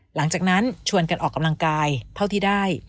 หลังจากนั้นชวนกันออกกำลังกายเท่าที่ได้